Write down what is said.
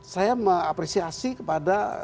saya mengapresiasi kepada